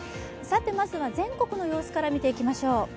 まずは、全国の様子から見ていきましょう。